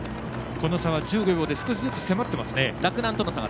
この差は１５秒で少しずつ、迫っていますね。